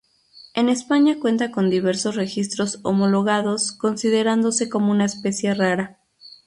En España cuenta con diversos registros homologados, considerándose como una especie rara.